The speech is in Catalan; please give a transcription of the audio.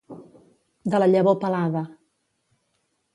De la llavor pelada.